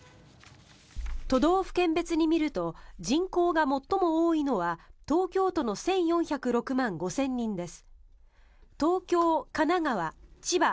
都道府県別に見ると人口が最も多いのは東京都の１４０６万５０００人です。